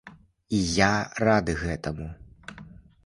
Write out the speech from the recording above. І я рады гэтаму.